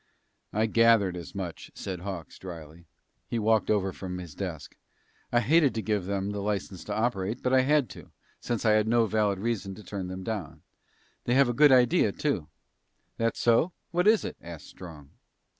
"I gathered as much," said Hawks dryly. He walked over from his desk. "I hated to give them the license to operate, but I had to, since I had no valid reason to turn them down. They have a good idea, too." "That so? What is it?" asked Strong.